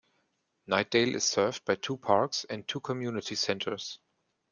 Knightdale is served by two parks and two community centers.